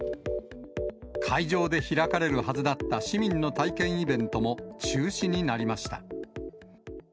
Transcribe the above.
会場で開かれるはずだった市民の体験イベントも、中止になりました。